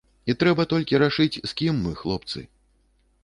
І трэба толькі рашыць, з кім мы, хлопцы.